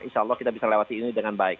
insya allah kita bisa lewati ini dengan baik